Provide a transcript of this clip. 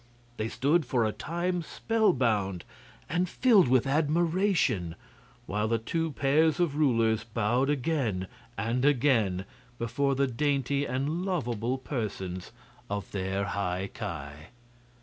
They stood for a time spellbound and filled with admiration, while the two pairs of rulers bowed again and again before the dainty and lovable persons of their High Ki.